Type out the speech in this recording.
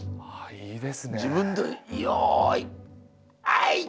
いいですね。